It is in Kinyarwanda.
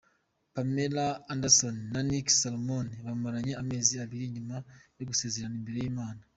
Pamela Anderson na Rick Solomon bamaranye amezi abiri nyuma yo gusezerana imbere y’ Imana.